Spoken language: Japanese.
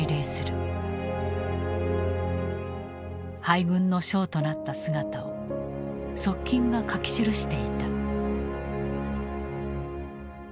敗軍の将となった姿を側近が書き記していた。